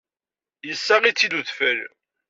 Yessaɣ-itt-id udfel.